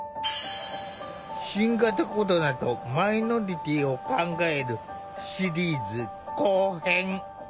「新型コロナとマイノリティーを考えるシリーズ後編」！